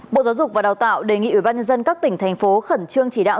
bộ giáo dục và đào tạo đề nghị ủy ban nhân dân các tỉnh thành phố khẩn trương chỉ đạo